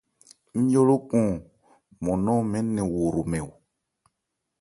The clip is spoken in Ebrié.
Ńmyɔ́ lókɔn nmɔn nɔn mɛɛ́n nɛn wo hromɛn.